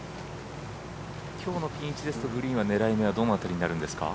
きょうのピン位置ですとグリーンの狙い目はどの辺りになるんですか？